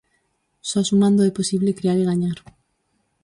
Só sumando é posible crear e gañar.